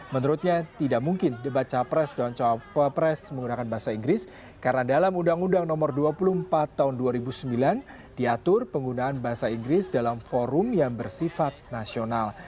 menurutnya tidak mungkin debat capres dan cawapres menggunakan bahasa inggris karena dalam undang undang nomor dua puluh empat tahun dua ribu sembilan diatur penggunaan bahasa inggris dalam forum yang bersifat nasional